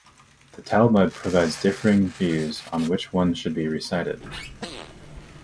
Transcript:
The Talmud provides differing views on which one should be recited.